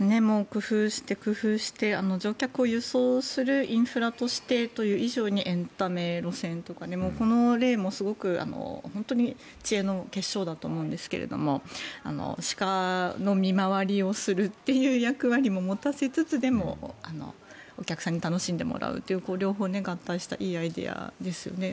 工夫して工夫して乗客を輸送するインフラとしてという以上にエンタメ路線とかこの例もすごく本当に知恵の結晶だと思うんですけれど鹿の見回りをするという役割を持たせつつお客さんに楽しんでもらうという両方が合体したいいアイデアですよね。